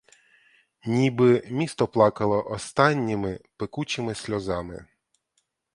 Ніби місто плакало останніми, пекучими сльозами.